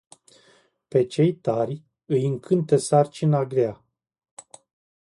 Pe cei tari îi încântă sarcina grea.